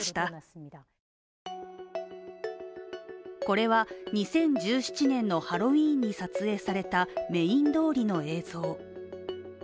これは２０１７年のハロウィーンに撮影されたメイン通りの映像。